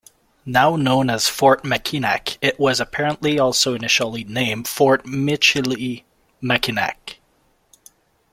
Now known as Fort Mackinac, it was apparently also initially named Fort Michilimackinac.